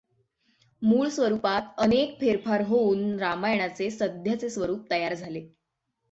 मूळ स्वरूपात अनेक फेरफार होऊन रामायणाचे सध्याचे स्वरूप तयार झाले.